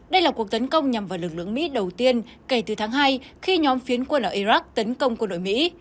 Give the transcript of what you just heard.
đây là cuộc tấn công nhằm vào lực lượng mỹ đầu tiên kể từ tháng hai khi nhóm phiến quân ở iraq tấn công quân đội mỹ